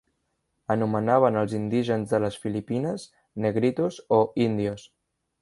Anomenaven els indígenes de les Filipines "negritos" o "indios".